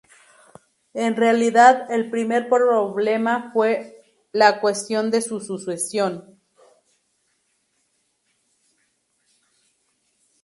En realidad, el primer problema fue la cuestión de su sucesión.